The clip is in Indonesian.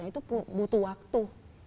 itu butuh waktu